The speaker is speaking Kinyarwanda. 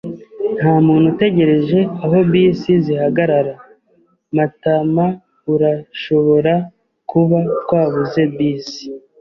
Ntamuntu utegereje aho bisi zihagarara. Matamaurashobora kuba twabuze bisi.